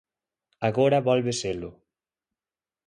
Agora volve selo.